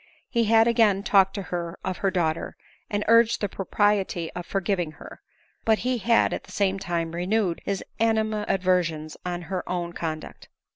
He had again talked to her of her daughter, and urged the propriety of forgiving her ; but he had at the same time renewed his animadversions on her own conduct.